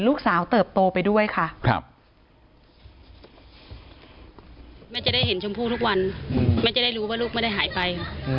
แม่จะได้เห็นต้นชมพูทุกวันแม่จะได้รู้ว่าลูกไม่ได้หายไป